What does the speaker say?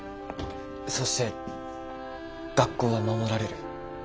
そして学校は守られる。